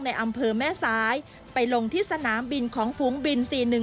ในอำเภอแม่ซ้ายไปลงที่สนามบินของฝูงบิน๔๑